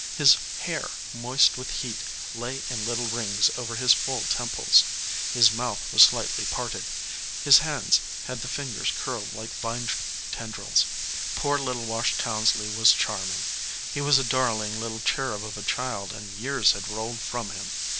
His hair, moist with heat, lay in little rings over his full temples, his mouth w r as slightly parted, his hands had the fingers curled like vine tendrils. Poor little Wash Townsley was charming. He was a darling little cherub of a child and years had rolled from him.